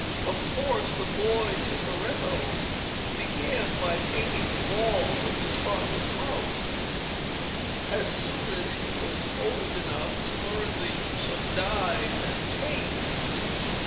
Of course, the boy Tintoretto began by painting the walls of his father's house, as soon as he was old enough to learn the use of dyes and paints.